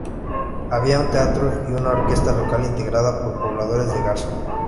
Había un teatro y una orquesta local integrada por pobladores de Garzón.